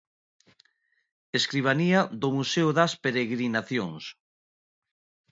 Escribanía do Museo das Peregrinacións.